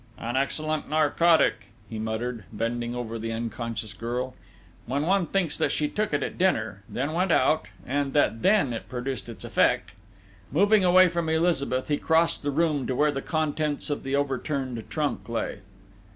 "An excellent narcotic," he muttered, bending over the unconscious girl. "When one thinks that she took it at dinner, then went out, and that then it produced its effect!..." Moving away from Elizabeth, he crossed the room to where the contents of the overturned trunk lay.